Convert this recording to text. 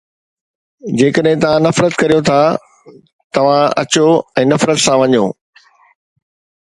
جيڪڏھن توھان نفرت ڪريو ٿا، توھان اچو ۽ نفرت سان وڃو